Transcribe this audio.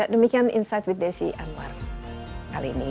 demikian insight with desi anwar kali ini